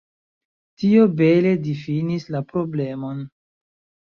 Tio bele difinis la problemon.